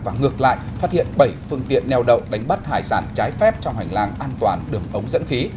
và ngược lại phát hiện bảy phương tiện neo đậu đánh bắt hải sản trái phép trong hành lang an toàn đường ống dẫn khí